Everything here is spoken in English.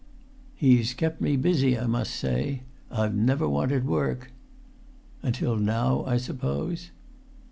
"He's kept me busy, I must say. I've never wanted work." "Until now, I suppose?"